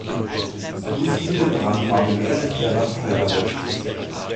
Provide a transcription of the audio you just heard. Lucy Hillebrand war mit Erich Gerlach verheiratet.